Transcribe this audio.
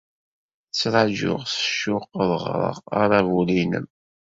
Ttṛajuɣ s ccuq ad ɣreɣ aṛabul-nnem.